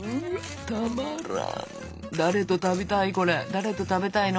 誰と食べたいの？